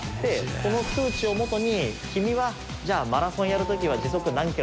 その数値をもとに君はじゃあマラソンやる時は時速何キロでやろうね。